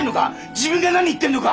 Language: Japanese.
自分が何言ってんのか！